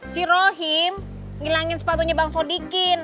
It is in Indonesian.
si rohim ngilangin sepatunya bang fodikin